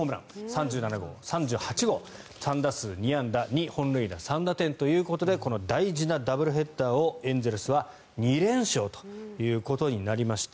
３７号、３８号３打数２安打２本塁打３打点ということでこの大事なダブルヘッダーをエンゼルスは２連勝ということになりました。